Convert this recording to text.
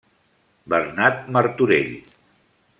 Bernat Martorell.